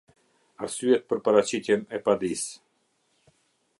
Arsyet për paraqitjen e padisë.